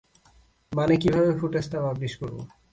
মানে কীভাবে ফুটেজটা পাবলিশ করবো?